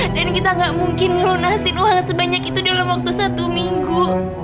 dan kita gak mungkin ngelunasin uang sebanyak itu dalam waktu satu minggu